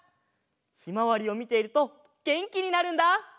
ひまわりをみているとげんきになるんだ！